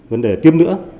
vấn đề tiếp nữa